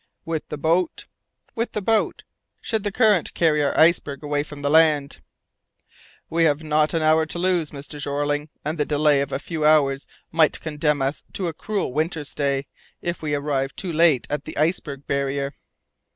"With the boat?" "With the boat, should the current carry our iceberg away from the land." "We have not an hour to lose, Mr. Jeorling, and the delay of a few hours might condemn us to a cruel winter stay, if we arrived too late at the iceberg barrier."